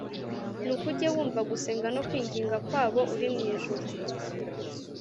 nuko ujye wumva gusenga no kwinginga kwabo uri mu ijuru